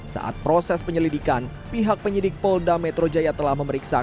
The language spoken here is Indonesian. saat proses penyelidikan pihak penyidik polda metro jaya telah memeriksa